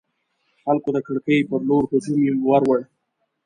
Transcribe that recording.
خلکو د کړکۍ پر لور هجوم وروړ.